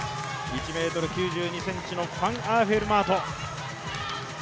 １ｍ９２ｃｍのファンアーフェルマート。